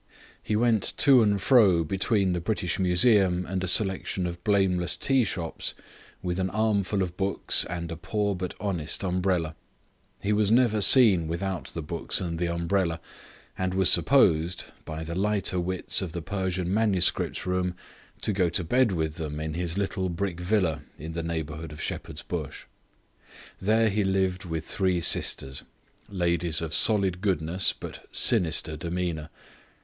He went to and fro between the British Museum and a selection of blameless tea shops, with an armful of books and a poor but honest umbrella. He was never seen without the books and the umbrella, and was supposed (by the lighter wits of the Persian MS. room) to go to bed with them in his little brick villa in the neighbourhood of Shepherd's Bush. There he lived with three sisters, ladies of solid goodness, but sinister demeanour.